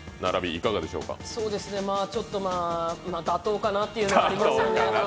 ちょっとまぁ妥当かなというのがありますよね。